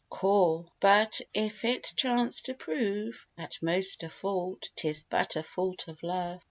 CHOR. But if it chance to prove At most a fault, 'tis but a fault of love.